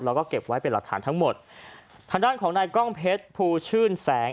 แล้วก็เก็บไว้เป็นหลักฐานทั้งหมดทางด้านของนายกล้องเพชรภูชื่นแสง